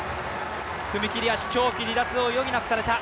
踏み切り足、長期離脱を余儀なくされた。